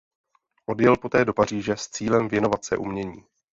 Odjel poté do Paříže s cílem věnovat se umění.